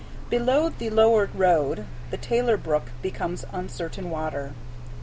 Below the lower road the Taylor Brook becomes uncertain water.